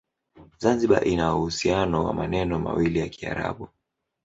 Zanzibar ina uhusiano na maneno mawili ya Kiarabu.